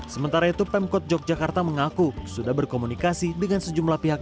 sementara itu pemkot yogyakarta mengaku sudah berkomunikasi dengan sejumlah pihak